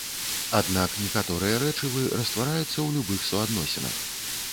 Аднак некаторыя рэчывы раствараюцца ў любых суадносінах.